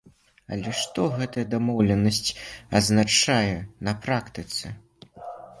Але што гэтая дамоўленасць азначае на практыцы?